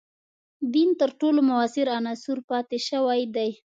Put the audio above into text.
دین تر ټولو موثر عنصر پاتې شوی دی.